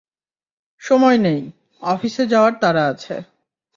সময় নেই, অফিসে যাওয়ার তাড়া আছে।